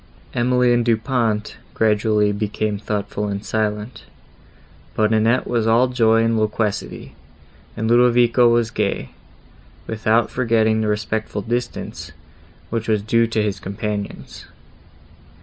Emily and Du Pont gradually became thoughtful and silent; but Annette was all joy and loquacity, and Ludovico was gay, without forgetting the respectful distance, which was due to his companions.